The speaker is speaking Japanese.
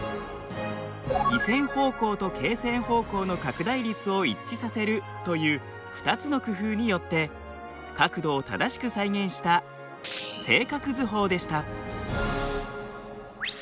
緯線方向と経線方向の拡大率を一致させる」という２つの工夫によって角度を正しく再現した正角図法でした。